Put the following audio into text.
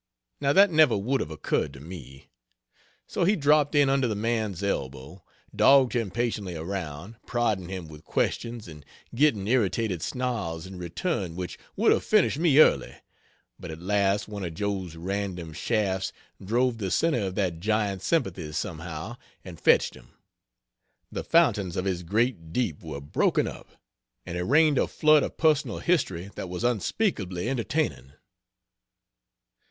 Now that never would have occurred to me. So he dropped in under the man's elbow, dogged him patiently around, prodding him with questions and getting irritated snarls in return which would have finished me early but at last one of Joe's random shafts drove the centre of that giant's sympathies somehow, and fetched him. The fountains of his great deep were broken up, and he rained a flood of personal history that was unspeakably entertaining.